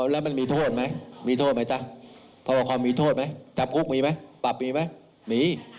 แล้วมันมีโทษไหมมีโทษไหม